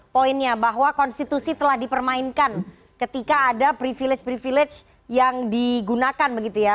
poinnya bahwa konstitusi telah dipermainkan ketika ada privilege privilege yang digunakan begitu ya